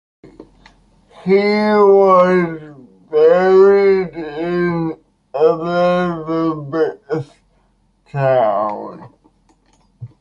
He was buried in Elizabethtown.